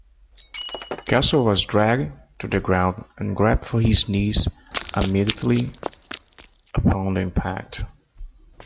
Cassel was dragged to the ground and grabbed for his knee immediately upon impact.